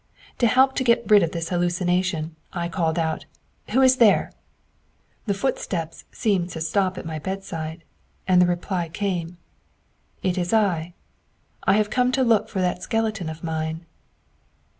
To help to get rid of this hallucination, I called out aloud: 'Who is there?' The footsteps seemed to stop at my bedside, and the reply came: 'It is I. I have come to look for that skeleton of mine.'